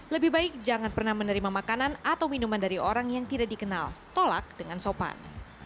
lebih baik jangan pernah menerima makanan atau minuman dari orang yang tidak dikenal tolak dengan sopan